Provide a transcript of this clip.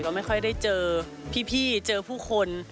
ไม่ค่อยได้เจอพี่เจอผู้คน